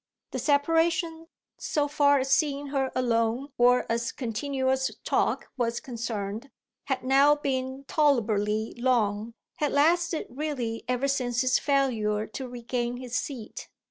The separation, so far as seeing her alone or as continuous talk was concerned, had now been tolerably long; had lasted really ever since his failure to regain his seat.